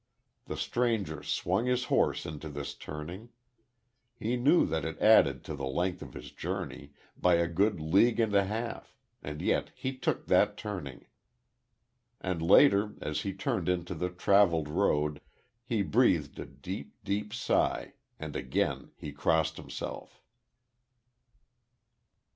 The stranger swung his horse into this turning. He knew that it added to the length of his journey by a good league and a half. And yet he took that turning. And, later, as he turned into the travelled road, he breathed a deep, deep sigh; and again he crossed himself.